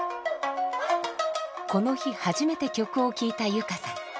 この日初めて曲を聴いた佑歌さん。